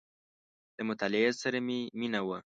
• له مطالعې سره مې مینه وه.